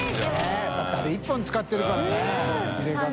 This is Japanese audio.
世辰あれ１本使ってるからねヒレカツ。